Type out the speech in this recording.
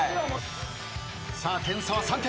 さあ点差は３点。